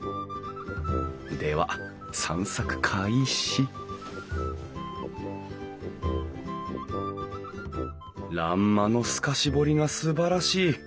では散策開始欄間の透かし彫りがすばらしい！